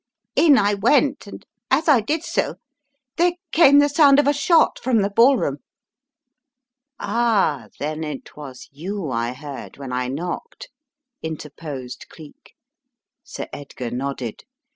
In I went, and as I did so, there came the sound of a shot — from the ballroom." "Ah, then it was you I heard, when I knocked ?" interposed Cleek. Sir Edgar nodded.